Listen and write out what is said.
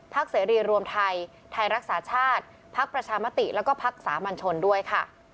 เสรีรวมไทยไทยรักษาชาติพักประชามติแล้วก็พักสามัญชนด้วยค่ะ